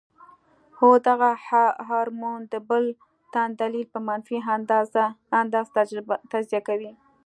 خو دغه هارمون د بل تن دليل پۀ منفي انداز تجزيه کوي -